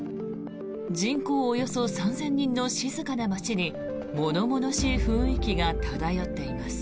人口およそ３０００人の静かな町に物々しい雰囲気が漂っています。